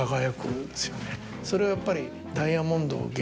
それはやっぱり。